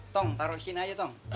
tong taruh di sini aja tong